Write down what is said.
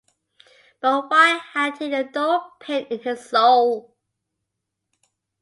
But why had he the dull pain in his soul?